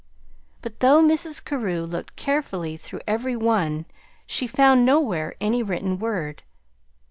But, though Mrs. Carew looked carefully through every one, she found nowhere any written word.